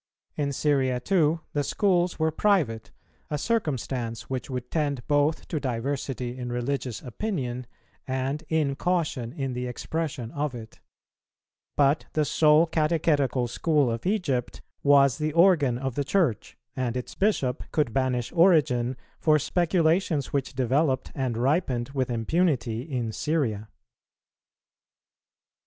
In Syria too the schools were private, a circumstance which would tend both to diversity in religious opinion, and incaution in the expression of it; but the sole catechetical school of Egypt was the organ of the Church, and its Bishop could banish Origen for speculations which developed and ripened with impunity in Syria.